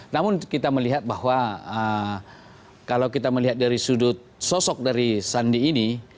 namun kita melihat bahwa kalau kita melihat dari sudut sosok dari sandi ini